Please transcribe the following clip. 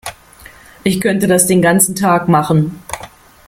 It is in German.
Ich könnte das den ganzen Tag machen.